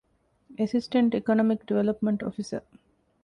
އެސިސްޓެންޓް އިކޮނޮމިކް ޑިވެލޮޕްމަންޓް އޮފިސަރ